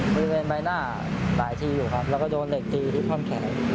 บริเวณใบหน้าหลายทีอยู่ครับแล้วก็โดนเหล็กตีที่ท่อนแขน